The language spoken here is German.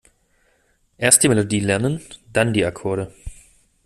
Erst die Melodie lernen, dann die Akkorde.